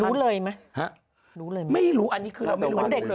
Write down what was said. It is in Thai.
รู้เลยไหมไม่รู้อันนี้คือเราไม่รู้